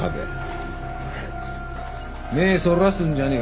目ぇそらすんじゃねえ。